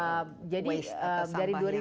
waste atau sampah yang diproduksi